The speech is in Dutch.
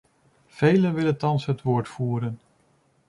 Velen willen thans het woord voeren.